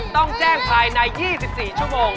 ต้องแจ้งภายใน๒๔ชั่วโมง